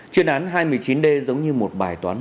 chuyên án hai mươi chín d giống như một bài toán